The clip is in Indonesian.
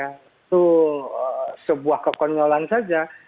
itu sebuah kekonyolan saja